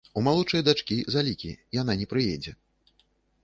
У малодшай дачкі залікі, яна не прыедзе.